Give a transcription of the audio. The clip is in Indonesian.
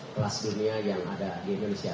kelas dunia yang ada di indonesia